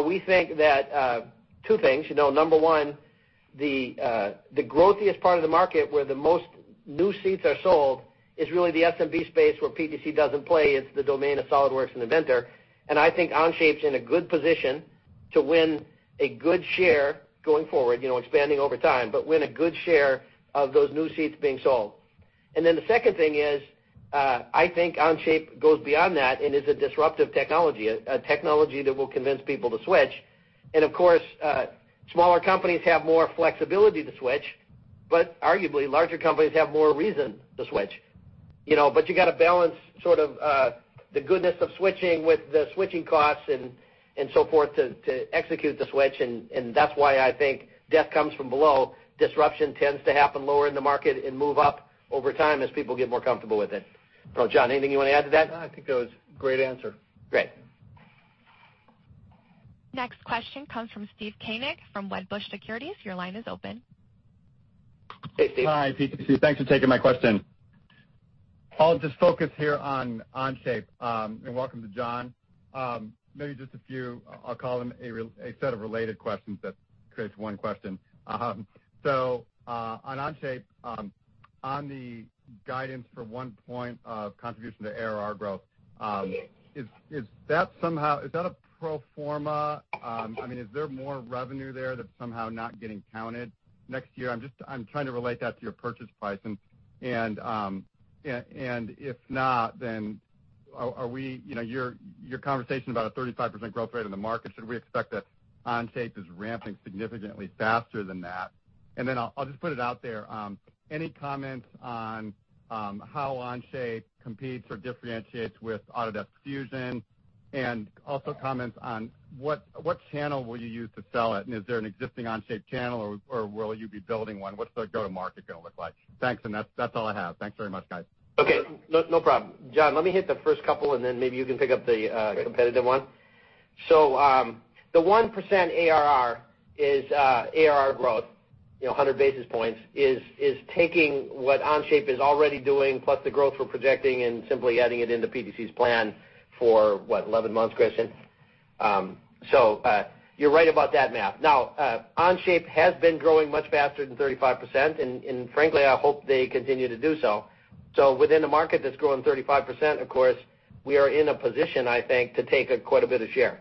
We think that two things. Number one, the growthiest part of the market, where the most new seats are sold, is really the SMB space where PTC doesn't play. It's the domain of SolidWorks and Inventor. I think Onshape's in a good position to win a good share going forward, expanding over time, but win a good share of those new seats being sold. The second thing is, I think Onshape goes beyond that and is a disruptive technology, a technology that will convince people to switch. Of course, smaller companies have more flexibility to switch, but arguably, larger companies have more reason to switch. You got to balance the goodness of switching with the switching costs and so forth to execute the switch. That's why I think death comes from below. Disruption tends to happen lower in the market and move up over time as people get more comfortable with it. I don't know, Jon, anything you want to add to that? No, I think that was a great answer. Great. Next question comes from Steve Koenig from Wedbush Securities. Your line is open. Hey, Steve. Hi, PTC. Thanks for taking my question. I'll just focus here on Onshape. Welcome to Jon. Maybe just a few, I'll call them a set of related questions that creates one question. On Onshape, on the guidance for 1 point of contribution to ARR growth, is that a pro forma? Is there more revenue there that's somehow not getting counted next year? I'm trying to relate that to your purchase price. If not, your conversation about a 35% growth rate in the market, should we expect that Onshape is ramping significantly faster than that? I'll just put it out there. Any comments on how Onshape competes or differentiates with Autodesk Fusion? Also comments on what channel will you use to sell it. Is there an existing Onshape channel, or will you be building one? What's the go-to-market going to look like? Thanks, and that's all I have. Thanks very much, guys. Okay. No problem. Jon, let me hit the first couple, and then maybe you can pick up the competitive one. Great. The 1% ARR growth, 100 basis points, is taking what Onshape is already doing, plus the growth we're projecting, and simply adding it into PTC's plan for what, 11 months, Kristian? You're right about that math. Onshape has been growing much faster than 35%, and frankly, I hope they continue to do so. Within a market that's growing 35%, of course, we are in a position, I think, to take quite a bit of share.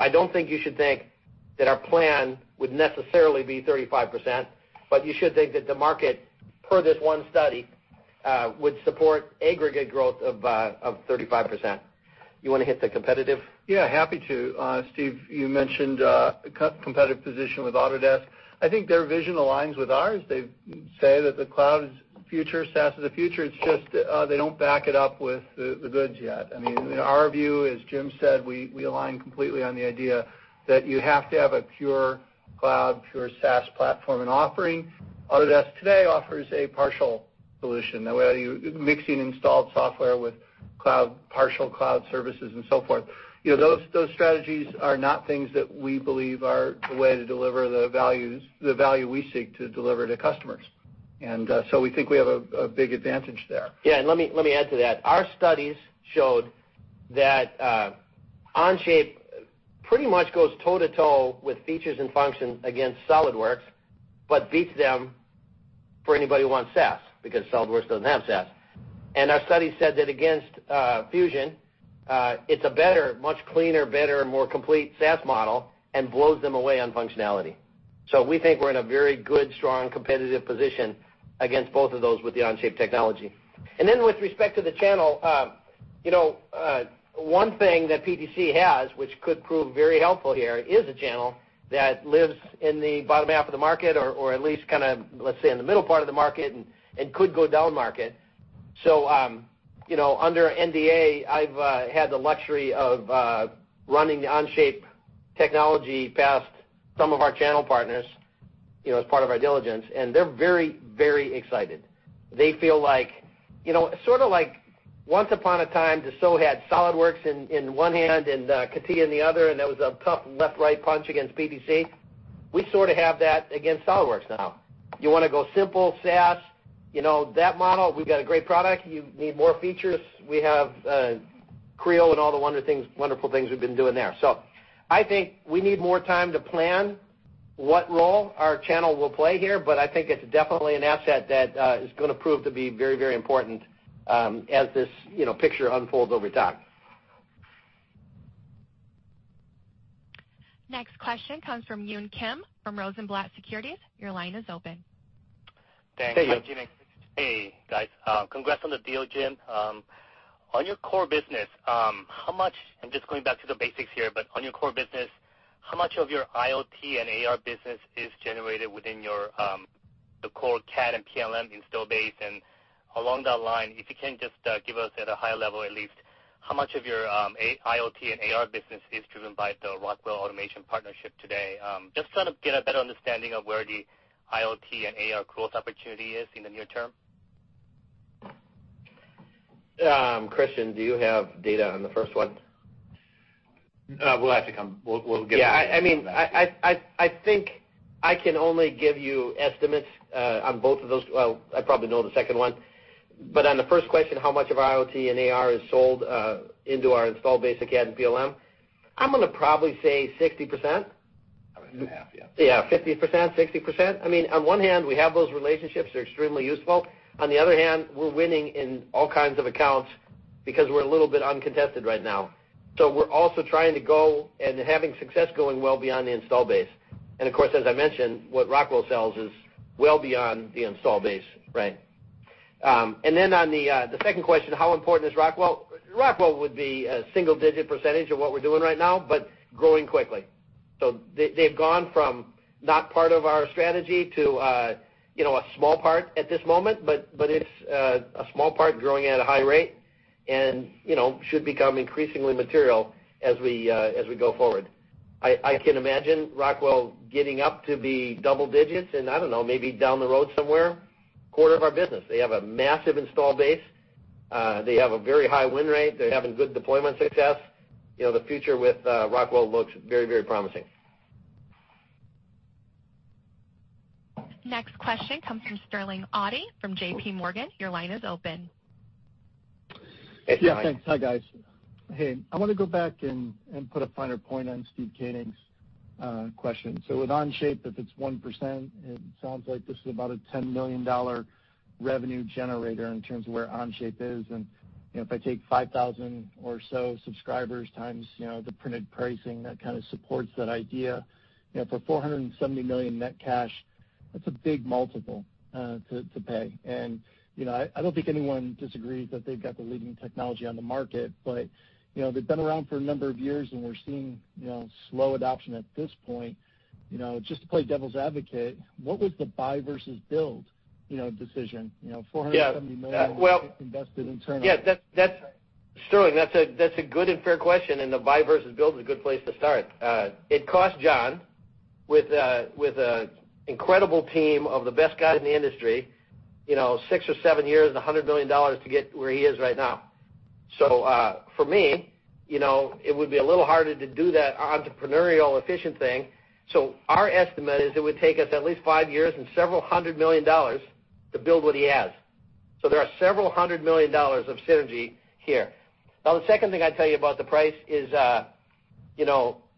I don't think you should think that our plan would necessarily be 35%, but you should think that the market, per this one study, would support aggregate growth of 35%. You want to hit the competitive? Happy to. Steve, you mentioned competitive position with Autodesk. I think their vision aligns with ours. They say that the cloud is the future, SaaS is the future. They don't back it up with the goods yet. Our view, as Jim said, we align completely on the idea that you have to have a pure cloud, pure SaaS platform and offering. Autodesk today offers a partial solution. Now, whether you're mixing installed software with partial cloud services and so forth. Those strategies are not things that we believe are the way to deliver the value we seek to deliver to customers. We think we have a big advantage there. Yeah, let me add to that. Our studies showed that Onshape pretty much goes toe to toe with features and function against SolidWorks, but beats them for anybody who wants SaaS, because SolidWorks doesn't have SaaS. Our study said that against Fusion, it's a much cleaner, better, more complete SaaS model and blows them away on functionality. We think we're in a very good, strong competitive position against both of those with the Onshape technology. With respect to the channel, one thing that PTC has, which could prove very helpful here, is a channel that lives in the bottom half of the market, or at least let's say in the middle part of the market and could go down market. Under NDA, I've had the luxury of running the Onshape technology past some of our channel partners as part of our diligence, and they're very excited. They feel like once upon a time, Dassault had SolidWorks in one hand and CATIA in the other, and that was a tough left-right punch against PTC. We sort of have that against SolidWorks now. You want to go simple SaaS, that model, we've got a great product. You need more features, we have Creo and all the wonderful things we've been doing there. I think we need more time to plan what role our channel will play here, but I think it's definitely an asset that is going to prove to be very important as this picture unfolds over time. Next question comes from Yun Kim from Rosenblatt Securities. Your line is open. Thanks. Hey, Yun Kim. Hey, guys. Congrats on the deal, Jim. On your core business, I'm just going back to the basics here, but on your core business, how much of your IoT and AR business is generated within the core CAD and PLM install base? Along that line, if you can just give us at a high level, at least, how much of your IoT and AR business is driven by the Rockwell Automation partnership today. Just to get a better understanding of where the IoT and AR growth opportunity is in the near term. Kristian, do you have data on the first one? We'll get it. Yeah, I think I can only give you estimates on both of those. Well, I probably know the second one, but on the first question, how much of IoT and AR is sold into our install base, CAD and PLM? I'm going to probably say 60%. I would say half, yeah. Yeah, 50%, 60%. On one hand, we have those relationships, they're extremely useful. On the other hand, we're winning in all kinds of accounts because we're a little bit uncontested right now. We're also trying to go, and having success going well beyond the install base. Of course, as I mentioned, what Rockwell sells is well beyond the install base. Right. On the second question, how important is Rockwell? Rockwell would be a single-digit percentage of what we're doing right now, but growing quickly. They've gone from not part of our strategy to a small part at this moment, but it's a small part growing at a high rate and should become increasingly material as we go forward. I can imagine Rockwell getting up to be double digits and, I don't know, maybe down the road somewhere, a quarter of our business. They have a massive install base. They have a very high win rate. They're having good deployment success. The future with Rockwell looks very promising. Next question comes from Sterling Auty from J.P. Morgan. Your line is open. Hey, Sterling. Yeah, thanks. Hi, guys. Hey, I want to go back and put a finer point on Steve Koenig's question. With Onshape, if it's 1%, it sounds like this is about a $10 million revenue generator in terms of where Onshape is. If I take 5,000 or so subscribers times the printed pricing, that kind of supports that idea. For $470 million net cash, that's a big multiple to pay. I don't think anyone disagrees that they've got the leading technology on the market, but they've been around for a number of years, and we're seeing slow adoption at this point. Just to play devil's advocate, what was the buy versus build decision? $470 million. Yeah. invested internally. Yeah, Sterling, that's a good and fair question, and the buy versus build is a good place to start. It cost Jon, with an incredible team of the best guys in the industry, six or seven years and $100 million to get where he is right now. For me, it would be a little harder to do that entrepreneurial efficient thing. Our estimate is it would take us at least five years and several hundred million dollars to build what he has. There are several hundred million dollars of synergy here. Now, the second thing I'd tell you about the price is, it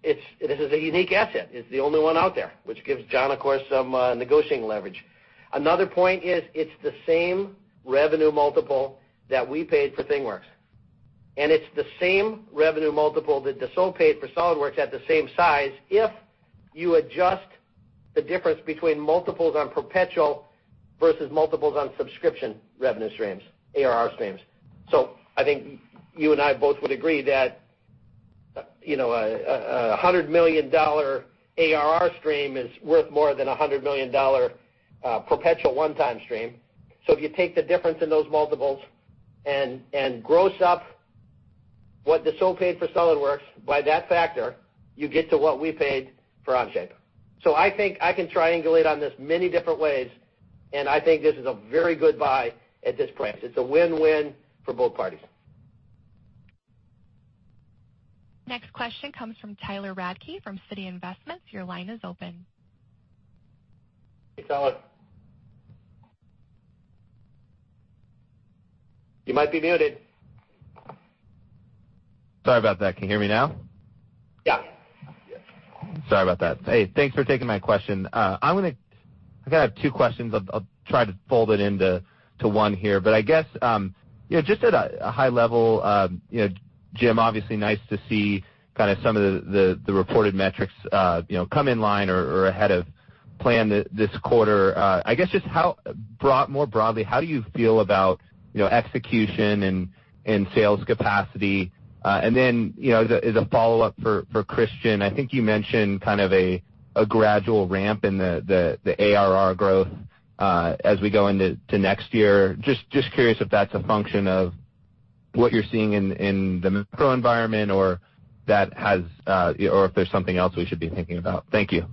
is a unique asset. It's the only one out there, which gives Jon, of course, some negotiating leverage. Another point is it's the same revenue multiple that we paid for ThingWorx, and it's the same revenue multiple that Dassault paid for SolidWorks at the same size if you adjust the difference between multiples on perpetual versus multiples on subscription revenue streams, ARR streams. I think you and I both would agree that a $100 million ARR stream is worth more than a $100 million perpetual one-time stream. If you take the difference in those multiples and gross up what Dassault paid for SolidWorks by that factor, you get to what we paid for Onshape. I think I can triangulate on this many different ways, and I think this is a very good buy at this price. It's a win-win for both parties. Next question comes from Tyler Radke from Citi Investment. Your line is open. Hey, Tyler. You might be muted. Sorry about that. Can you hear me now? Yeah. Yes. Sorry about that. Hey, thanks for taking my question. I got two questions. I'll try to fold it into one here. Just at a high level Jim, obviously nice to see some of the reported metrics come in line or ahead of plan this quarter. I guess just more broadly, how do you feel about execution and sales capacity? As a follow-up for Kristian, I think you mentioned kind of a gradual ramp in the ARR growth as we go into next year. Just curious if that's a function of what you're seeing in the macro environment or if there's something else we should be thinking about. Thank you.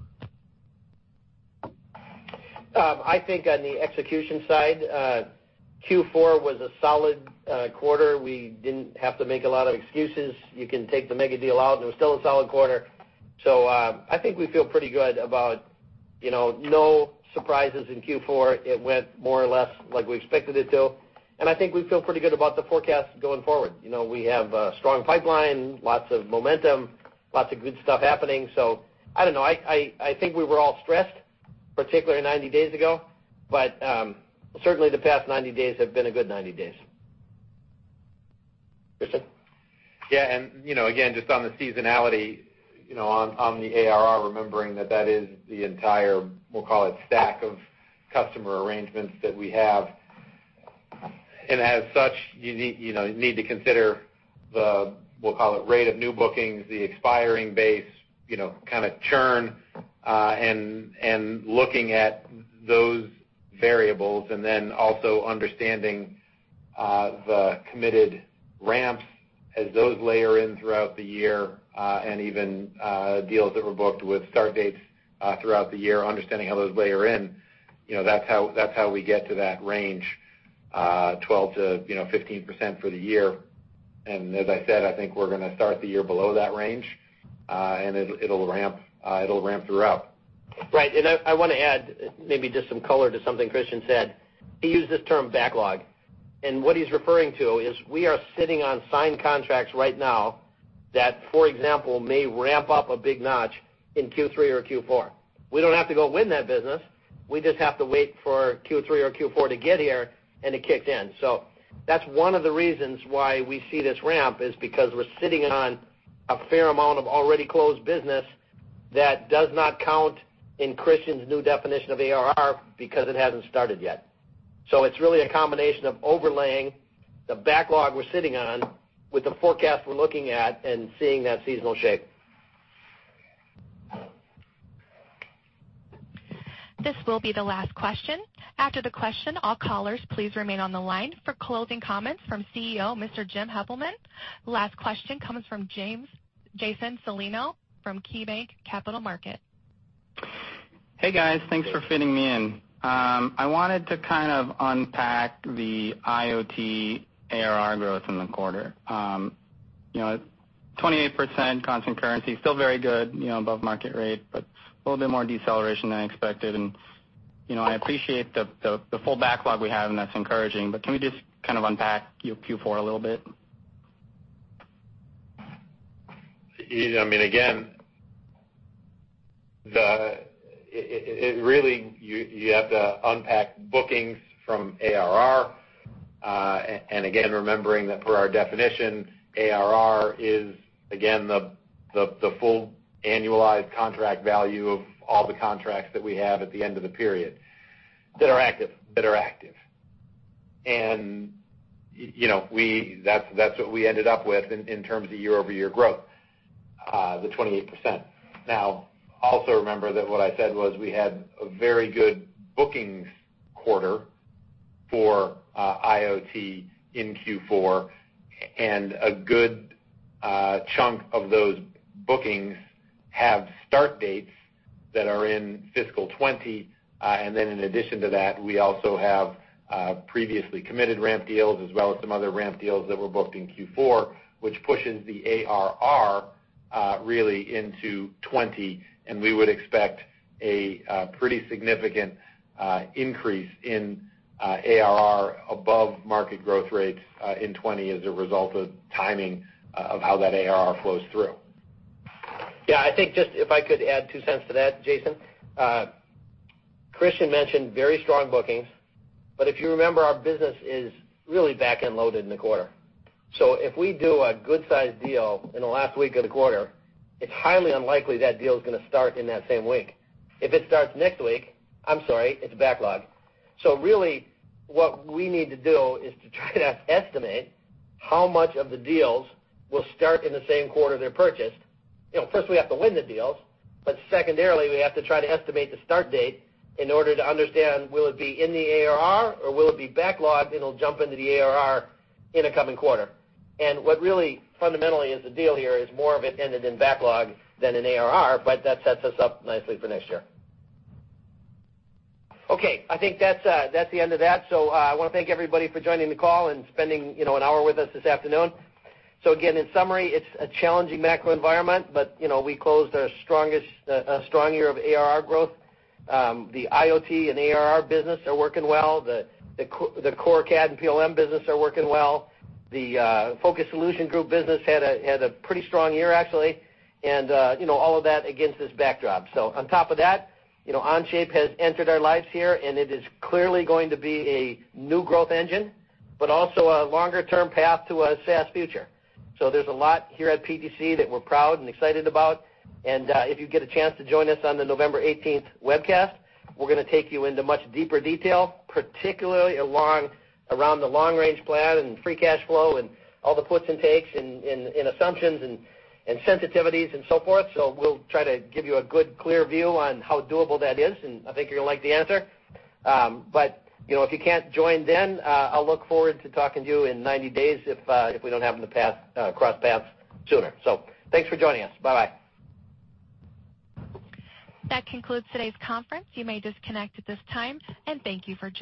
I think on the execution side, Q4 was a solid quarter. We didn't have to make a lot of excuses. You can take the megadeal out, it was still a solid quarter. I think we feel pretty good about no surprises in Q4. It went more or less like we expected it to, I think we feel pretty good about the forecast going forward. We have a strong pipeline, lots of momentum, lots of good stuff happening. I don't know. I think we were all stressed, particularly 90 days ago, certainly the past 90 days have been a good 90 days. Kristian? Yeah. Again, just on the seasonality on the ARR, remembering that that is the entire, we'll call it stack of customer arrangements that we have. As such, you need to consider the, we'll call it rate of new bookings, the expiring base, kind of churn, and looking at those variables, and then also understanding the committed ramps as those layer in throughout the year, and even deals that were booked with start dates throughout the year, understanding how those layer in. That's how we get to that range, 12%-15% for the year. As I said, I think we're going to start the year below that range, and it'll ramp throughout. Right. I want to add maybe just some color to something Kristian said. He used this term backlog, and what he's referring to is we are sitting on signed contracts right now that, for example, may ramp up a big notch in Q3 or Q4. We don't have to go win that business. We just have to wait for Q3 or Q4 to get here, and it kicked in. That's one of the reasons why we see this ramp is because we're sitting on a fair amount of already closed business that does not count in Kristian's new definition of ARR because it hasn't started yet. It's really a combination of overlaying the backlog we're sitting on with the forecast we're looking at and seeing that seasonal shape. This will be the last question. After the question, all callers please remain on the line for closing comments from CEO Mr. Jim Heppelmann. Last question comes from Jason Celino from KeyBanc Capital Markets. Hey, guys. Thanks for fitting me in. I wanted to kind of unpack the IoT ARR growth in the quarter. 28% constant currency, still very good, above market rate, but a little bit more deceleration than I expected. I appreciate the full backlog we have, and that's encouraging, but can we just kind of unpack your Q4 a little bit? Really, you have to unpack bookings from ARR. Remembering that for our definition, ARR is, again, the full annualized contract value of all the contracts that we have at the end of the period. That are active. That are active. That's what we ended up with in terms of year-over-year growth, the 28%. Also remember that what I said was we had a very good bookings quarter for IoT in Q4, and a good chunk of those bookings have start dates that are in fiscal 2020. In addition to that, we also have previously committed ramp deals as well as some other ramp deals that were booked in Q4, which pushes the ARR really into 2020, and we would expect a pretty significant increase in ARR above market growth rates in 2020 as a result of timing of how that ARR flows through. Yeah, I think just if I could add two cents to that, Jason. Kristian mentioned very strong bookings, if you remember, our business is really back-end loaded in the quarter. If we do a good size deal in the last week of the quarter, it's highly unlikely that deal's going to start in that same week. If it starts next week, I'm sorry, it's a backlog. Really, what we need to do is to try to estimate how much of the deals will start in the same quarter they're purchased. First we have to win the deals, secondarily, we have to try to estimate the start date in order to understand will it be in the ARR or will it be backlogged and it'll jump into the ARR in a coming quarter. What really fundamentally is the deal here is more of it ended in backlog than in ARR, but that sets us up nicely for next year. Okay. I think that's the end of that. I want to thank everybody for joining the call and spending an hour with us this afternoon. Again, in summary, it's a challenging macro environment, but we closed a strong year of ARR growth. The IoT and ARR business are working well. The core CAD and PLM business are working well. The Focused Solution Group business had a pretty strong year, actually. All of that against this backdrop. On top of that, Onshape has entered our lives here, and it is clearly going to be a new growth engine, but also a longer-term path to a SaaS future. There's a lot here at PTC that we're proud and excited about. If you get a chance to join us on the November 18th webcast, we're going to take you into much deeper detail, particularly around the long-range plan and free cash flow and all the puts and takes and assumptions and sensitivities and so forth. We'll try to give you a good, clear view on how doable that is, and I think you're going to like the answer. If you can't join then, I'll look forward to talking to you in 90 days if we don't happen to cross paths sooner. Thanks for joining us. Bye-bye. That concludes today's conference. You may disconnect at this time, and thank you for joining.